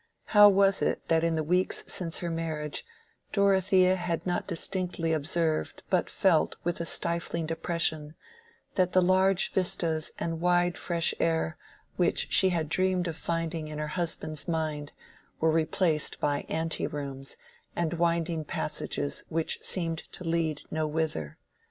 How was it that in the weeks since her marriage, Dorothea had not distinctly observed but felt with a stifling depression, that the large vistas and wide fresh air which she had dreamed of finding in her husband's mind were replaced by anterooms and winding passages which seemed to lead nowhither?